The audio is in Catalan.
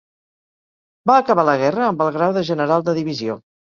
Va acabar la guerra amb el grau de general de divisió.